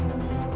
aku mau ke rumah